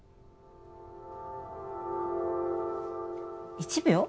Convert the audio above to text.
１秒？